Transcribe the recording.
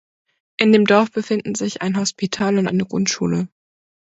In dem Dorf befinden sich ein Hospital und eine Grundschule.